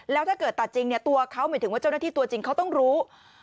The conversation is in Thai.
แล้วถ้าเกิดตัดจริงตัวเขาหมายถึงว่าเจ้าหน้าที่ตัวจริงเขาต้องรู้